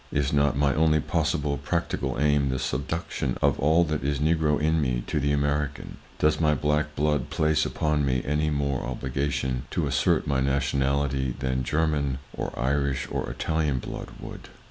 Is not my only possible practical aim the subduction of all that is Negro in me to the American? Does my black blood place upon me any more obligation to assert my nationality than German, or Irish or Italian blood would?